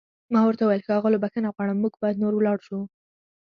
ما ورته وویل: ښاغلو، بښنه غواړم موږ باید نور ولاړ شو.